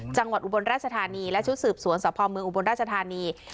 อุบลราชธานีและชุดสืบสวนสพเมืองอุบลราชธานี